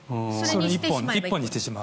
１本にしてしまう。